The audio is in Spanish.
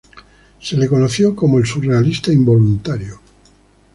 Se le conoció como el "surrealista involuntario".